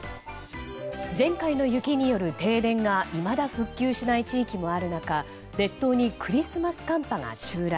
前回の雪による停電がいまだ復旧しない地域もある中列島にクリスマス寒波が襲来。